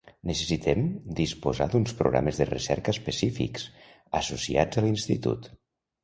Necessitem disposar d'uns programes de recerca específics, associats a l'institut.